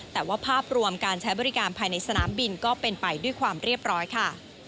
แต่ว่าภาพรวมการใช้บริการภายในสนามบินก็เป็นไปด้วยความเรียบร้อยค่ะ